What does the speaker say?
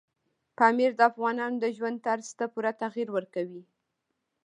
پامیر د افغانانو د ژوند طرز ته پوره تغیر ورکوي.